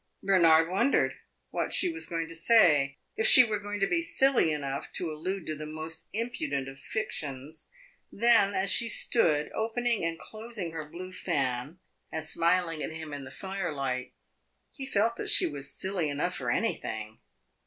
Bernard wondered what she was going to say if she were going to be silly enough to allude to the most impudent of fictions; then, as she stood opening and closing her blue fan and smiling at him in the fire light, he felt that she was silly enough for anything.